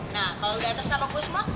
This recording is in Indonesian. nah kalo udah atas nama gue semua